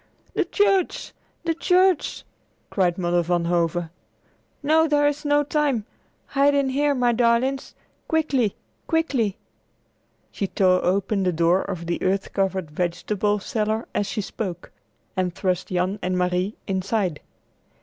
"The church! the church!" cried Mother Van Hove. "No, there is not time. Hide in here, my darlings. Quickly! Quickly!" She tore open the door of the earth covered vegetable cellar as she spoke, and thrust Jan and Marie inside.